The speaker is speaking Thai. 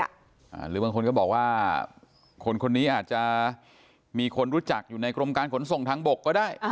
หรือบางคนก็บอกว่าคนคนนี้อาจจะมีคนรู้จักอยู่ในกรมการขนส่งทางบกก็ได้